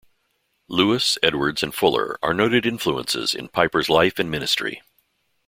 Lewis, Edwards and Fuller are noted influences in Piper's life and ministry.